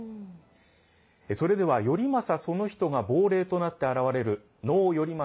それでは頼政その人が亡霊となって現れる能「頼政」